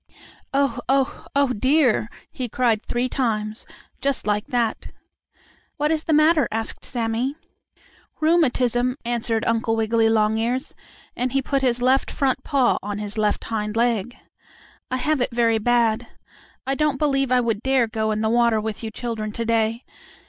"Oh! oh! oh, dear!" he cried three times, just like that. "What is the matter?" asked Sammie. "Rheumatism," answered Uncle Wiggily Longears, and he put his left front paw on his left hind leg. "I have it very bad. I don't believe I would dare go in the water with you children to day.